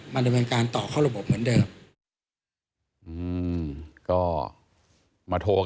มันก็เป็นการต่อเข้าระบบเหมือนเดิม